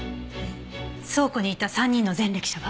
倉庫にいた３人の前歴者は？